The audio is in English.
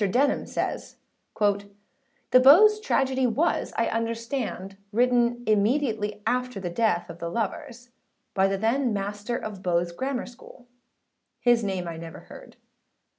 Denham says:â â_The Bowes Tragedy_ was, I understand, written immediately after the death of the lovers, by the then master of Bowes Grammar School. His name I never heard.